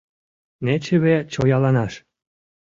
Нечыве чояланаш.